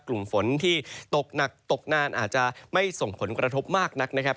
กลุ่มฝนที่ตกหนักตกนานอาจจะไม่ส่งผลกระทบมากนักนะครับ